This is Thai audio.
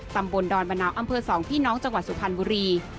ตำบลดอนมะนาวอำเภอสองพี่น้องจังหวัดสุพรรณบุรี